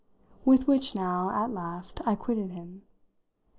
With which now at last I quitted him.